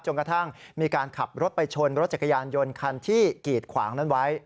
กระทั่งมีการขับรถไปชนรถจักรยานยนต์คันที่กีดขวางนั้นไว้